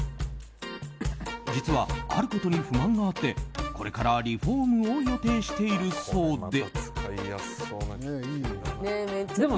実は、あることに不満があってこれからリフォームを予定しているそうで。